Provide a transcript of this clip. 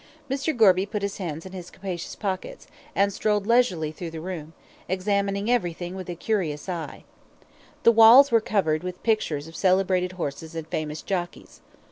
Mr. Gorby put his hands in his capacious pockets, and strolled leisurely through the room, examining everything with a curious eye. The walls were covered with pictures of celebrated horses and famous jockeys.